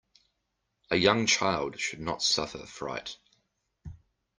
A young child should not suffer fright.